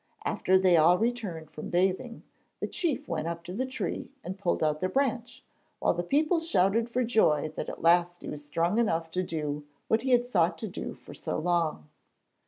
After they all returned from bathing, the chief went up to the tree and pulled out the branch, while the people shouted for joy that at last he was strong enough to do what he had sought to do for so long.